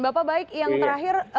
bapak baik yang terakhir